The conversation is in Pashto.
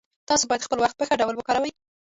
تاسو باید خپل وخت په ښه ډول وکاروئ